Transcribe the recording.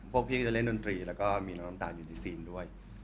พวกพี่ก็จะเล่นดนตรีแล้วก็มีน้องน้ำตาลอยู่ในซีนด้วย